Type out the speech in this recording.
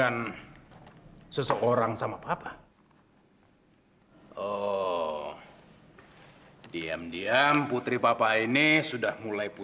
dan yang pasti aku gak mencintai kamu